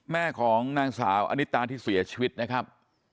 แม่ของนางสาวอนิตาที่เสียชีวิตนะครับ